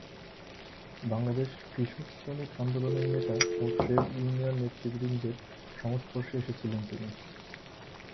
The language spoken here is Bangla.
বাংলাদেশ কৃষক শ্রমিক আন্দোলনের নেতা ও ট্রেড ইউনিয়ন নেতৃবৃন্দের সংস্পর্শে এসেছিলেন তিনি।